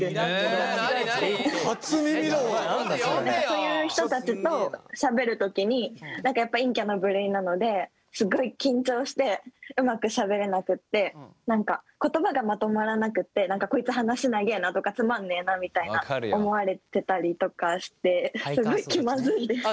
そういう人たちとしゃべるときにやっぱ陰キャな部類なのですごい緊張してうまくしゃべれなくって何か言葉がまとまらなくってこいつ話長えなとかつまんねえなみたいな思われてたりとかしてすごい気まずいです。